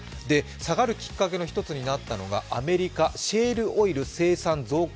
下がるきっかけの１つになったのがアメリカ、シェールオイル生産増加